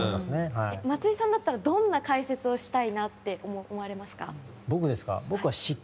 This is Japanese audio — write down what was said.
松井さんだったらどんな解説をしたいなと思われますか？